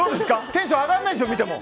テンション上がらないでしょ。